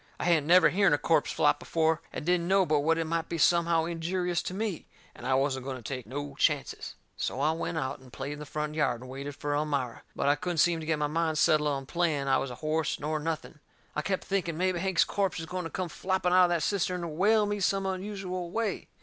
I hadn't never hearn a corpse flop before, and didn't know but what it might be somehow injurious to me, and I wasn't going to take no chances. So I went out and played in the front yard, and waited fur Elmira. But I couldn't seem to get my mind settled on playing I was a horse, nor nothing. I kep' thinking mebby Hank's corpse is going to come flopping out of that cistern and whale me some unusual way.